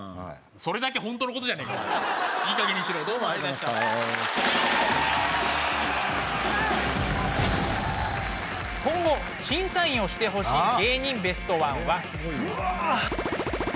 それだけホントのことじゃねえかいいかげんにしろどうもありがとうございました今後審査員をしてほしい芸人ベストワンは？